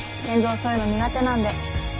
健三そういうの苦手なんで。